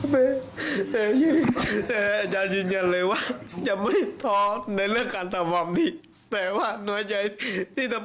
เป็นว่าพระผู้ใหญ่แกจริงจันตนว่าต้องไหลท์ออก